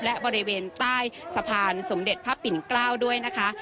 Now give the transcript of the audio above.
และบริเวณใต้สะพานสมเด็จพระปิ่นเกล้าด้วยนะคะ